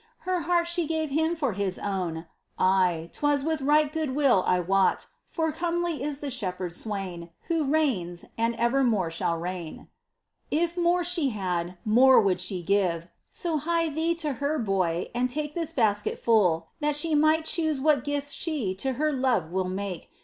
Her heart she gave Him for His own — Aye, 'twas with right goodwill, I wot, For comely is that Shepherd Swain Who reigns, and ever more shall reign ! If more she had, more would she give. So hie thee to her, boy, and take This basket full, that she may choose What gifts she to her Love will make.